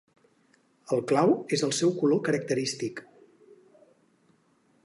El clau és el seu color característic.